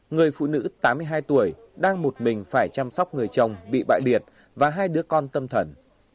người phụ nữ tám mươi hai tuổi đang một mình phải chăm sóc người chồng bị bại liệt và hai đứa con tâm thần